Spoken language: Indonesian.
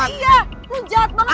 enggak iya lu jahat banget